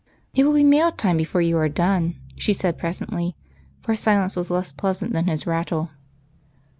"It will be mail time before you are done," she said presently, for silence was less pleasant than his rattle.